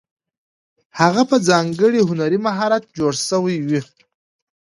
هغه په ځانګړي هنري مهارت جوړې شوې وې.